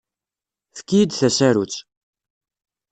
Efk-iyi-d tasarut.